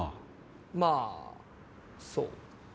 まあそう。